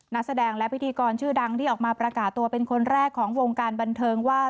นักแสดงและพิธีกรชื่อดังที่ออกมาประกาศตัวเป็นคนแรกของวงการบันเทิงว่า